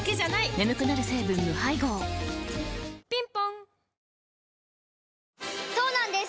眠くなる成分無配合ぴんぽんそうなんです